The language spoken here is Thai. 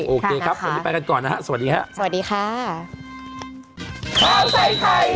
โอเคครับวันนี้ไปกันก่อนนะครับสวัสดีครับ